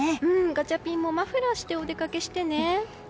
ガチャピンもマフラーしてお出かけしてね。